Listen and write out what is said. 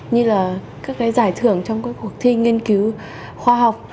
như là các cái giải thưởng trong các cuộc thi nghiên cứu khoa học